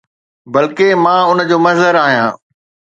بلڪه، مان ان جو مظهر آهيان.